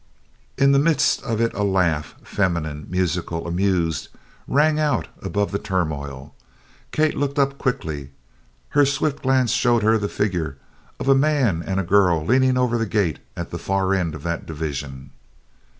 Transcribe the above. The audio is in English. In the midst of it a laugh, feminine, musical, amused, rang out above the turmoil. Kate looked up quickly. Her swift glance showed her the figure of a man and a girl leaning over the gate at the far end of that division.